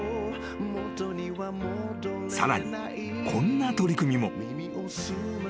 ［さらにこんな取り組みも］